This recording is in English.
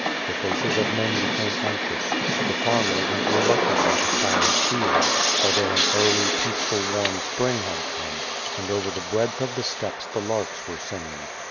The faces of men became anxious; the farmer went reluctantly to plough his fields, although an early, peaceful warm spring had come, and over the breadth of the steppes the larks were singing.